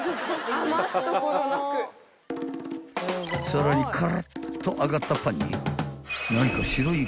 ［さらにカラッと揚がったパンに］